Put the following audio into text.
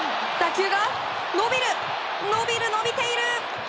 打球が伸びる、伸びている！